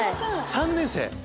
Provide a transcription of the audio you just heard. ３年生！